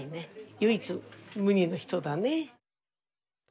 唯一無二の人だね。